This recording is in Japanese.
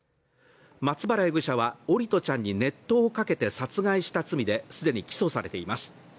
松原容疑者は、桜利斗ちゃんに熱湯をかけて殺害した罪で既に起訴されています。